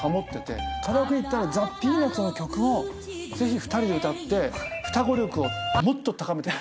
カラオケ行ったらザ・ピーナッツの曲をぜひ２人で歌って双子力をもっと高めて。